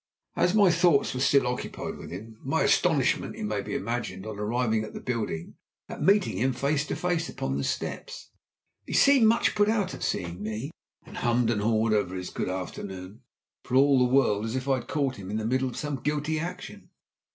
As my thoughts were still occupied with him, my astonishment may be imagined, on arriving at the building, at meeting him face to face upon the steps. He seemed much put out at seeing me, and hummed and hawed over his "Good afternoon" for all the world as if I had caught him in the middle of some guilty action.